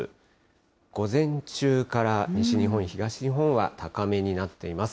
午前中から西日本、東日本は高めになっています。